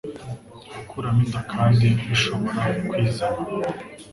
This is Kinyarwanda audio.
Gukuramo inda kandi bishobora kwizana